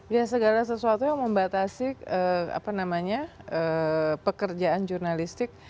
ya segala sesuatu yang membatasi pekerjaan jurnalistik